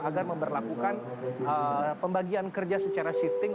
agar memperlakukan pembagian kerja secara shifting